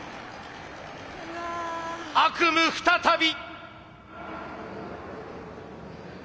悪夢再び。